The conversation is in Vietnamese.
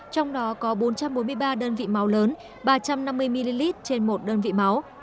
trong đó có bốn trăm bốn mươi ba đơn vị máu lớn ba trăm năm mươi ml trên một đơn vị máu